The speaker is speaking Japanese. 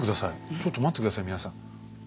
ちょっと待って下さい皆さん。